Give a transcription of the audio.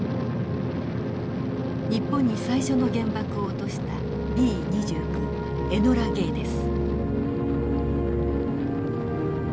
日本に最初の原爆を落としたＢ２９エノラ・ゲイです。